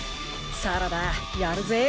サラダやるぜ！